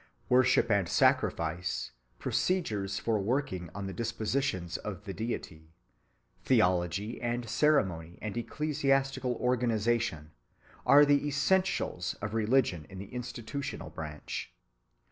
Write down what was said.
Worship and sacrifice, procedures for working on the dispositions of the deity, theology and ceremony and ecclesiastical organization, are the essentials of religion in the institutional branch.